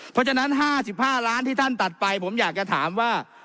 เพราะฉะนั้น๕๕ล้านที่ท่านตัดไปผมอยากจะถามว่า